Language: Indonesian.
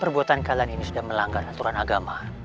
perbuatan kalian ini sudah melanggar aturan agama